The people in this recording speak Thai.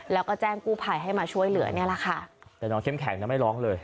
แล้วก็แจ้งกู้ภัยให้มาช่วยเหลือเนี่ยแหละค่ะแต่น้องเข้มแข็งนะไม่ร้องเลย